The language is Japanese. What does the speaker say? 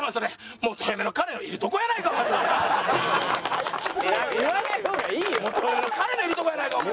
元嫁のカレのいるとこやないかお前！